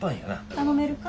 ・頼めるか？